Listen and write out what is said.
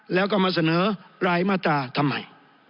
แล้วก็มาเสนอรายมาตราทำไม